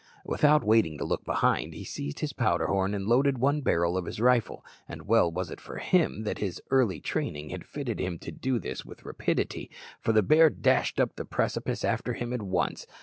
Without waiting to look behind, he seized his powder horn and loaded one barrel of his rifle; and well was it for him that his early training had fitted him to do this with rapidity, for the bear dashed up the precipice after him at once.